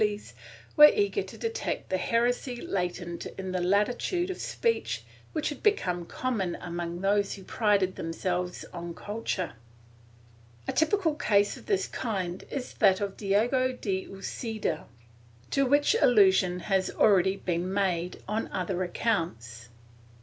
Ill] EUASMISTS 415 frailes, were eager to detect the heresy latent in the latitude of speech which had become common among those who prided them selves on culture/ A typical case of this kind is that of Diego de Uceda, to which allusion has already been made on other accounts {supra, p.